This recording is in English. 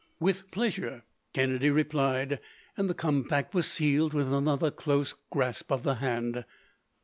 "With pleasure," Kennedy replied; and the compact was sealed with another close grasp of the hand.